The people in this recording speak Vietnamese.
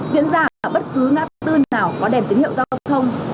diễn ra ở bất cứ ngã tư nào có đèn tín hiệu giao thông